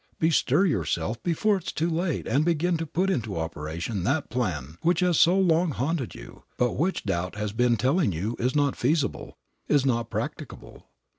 Bestir yourself before it is too late and begin to put into operation that plan which has so long haunted you, but which doubt has been telling you is not feasible, is not practicable.